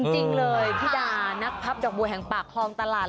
จริงเลยพี่ดานักพับดอกบัวแห่งปากคลองตลาด